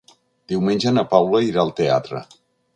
Diumenge na Paula irà al teatre.